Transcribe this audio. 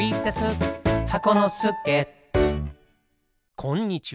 こんにちは。